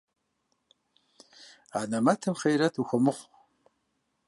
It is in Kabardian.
Анэмэтым хъейрэт ухуэмыхъу.